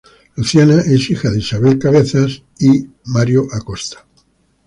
Luciana es hija de Mario Acosta e Isabel Cabezas.